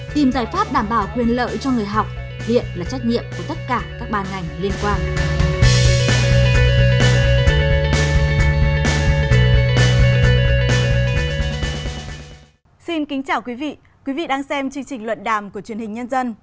tìm giải pháp đảm bảo quyền lợi cho người học hiện là trách nhiệm của tất cả các ban ngành liên quan